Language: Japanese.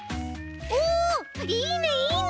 おおいいねいいね。